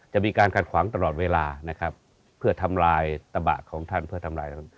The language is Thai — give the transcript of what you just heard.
จะมีการขัดขวางตลอดเวลานะครับเพื่อทำลายตะบะของท่านเพื่อทำลายท่าน